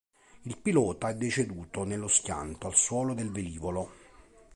Il pilota è deceduto nello schianto al suolo del velivolo.